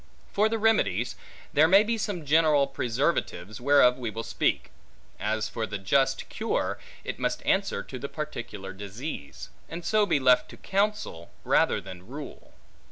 For the remedies; there may be some general preservatives, whereof we will speak: as for the just cure, it must answer to the particular disease; and so be left to counsel, rather than rule.